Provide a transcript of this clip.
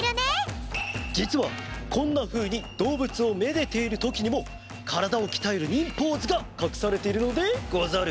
じつはこんなふうにどうぶつをめでているときにもからだをきたえる忍ポーズがかくされているのでござる！